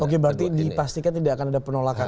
oke berarti dipastikan tidak akan ada penolakan